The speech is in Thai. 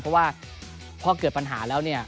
เพราะว่าพอเกิดปัญหาแล้ว